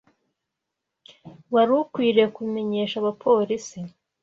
Wari ukwiye kubimenyesha abapolisi.